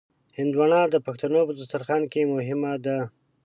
هندوانه د پښتنو په دسترخوان کې مهمه ده.